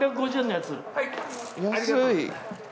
安い。